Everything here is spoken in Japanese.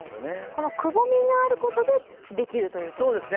このくぼみがあることでできるということなんですね。